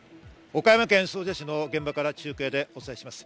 岡山県総社市の現場から中継でお伝えします。